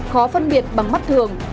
khó phân biệt bằng mắt thường